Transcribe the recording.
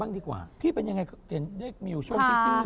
นี่เป็นอะไรเจ็ดแล็กมิวช่อง